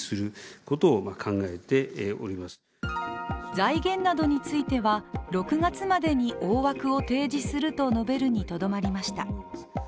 財源などについては、６月までに大枠を提示すると述べるにとどまりました。